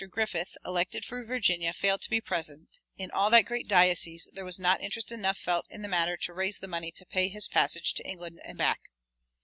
Griffith, elected for Virginia, failed to be present; in all that great diocese there was not interest enough felt in the matter to raise the money to pay his passage to England and back.